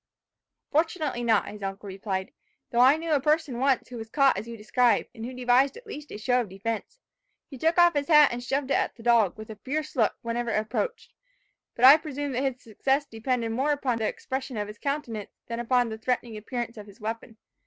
"Fortunately not," his uncle replied. "Though I knew a person once who was caught as you describe, and who devised at least a show of defence. He took off his hat and shoved it at the dog, with a fierce look, whenever it approached. But I presume that his success depended more upon the expression of his countenance than upon the threatening appearance of his weapon.